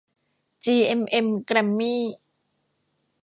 จีเอ็มเอ็ม แกรมมี่